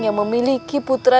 yang memiliki putra